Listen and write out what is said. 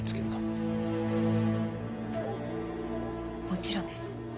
もちろんです。